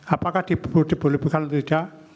apakah dibolehkan atau tidak